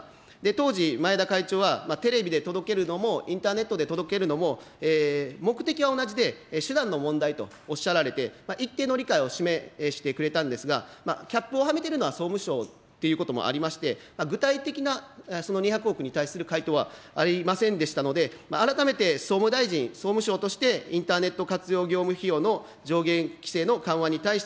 当時、前田会長は、テレビで届けるのも、インターネットで届けるのも、目的は同じで、手段の問題とおっしゃられて、一定の理解を示してくれたんですが、キャップをはめてるのは総務省ということもありまして、具体的なその２００億に対する回答はありませんでしたので、改めて総務大臣、総務省としてインターネット活用業務費用の上限規制の緩和に対しての見解をお伺いします。